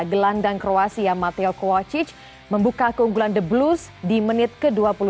gelandang kroasia mateo kwacic membuka keunggulan the blues di menit ke dua puluh dua